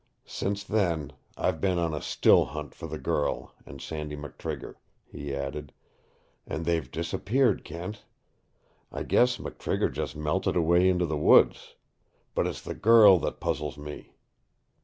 "Since then I've been on a still hunt for the girl and Sandy McTrigger," he added. "And they've disappeared, Kent. I guess McTrigger just melted away into the woods. But it's the girl that puzzles me.